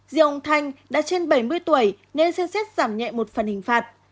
dìu ông thanh đã trên bảy mươi tuổi nên xin xét giảm nhẹ một phần hình phạt